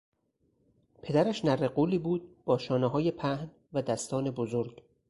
پدرش نره غولی بود با شانههای پهن و دستان بزرگ.